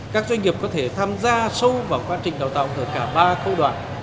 các doanh nghiệp có thể tham gia sâu vào quá trình đào tạo ở cả ba khâu đoạn